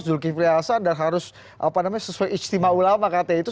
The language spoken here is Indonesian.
zulkiflihasa dan harus apa namanya sesuai istimewa ulama katanya itu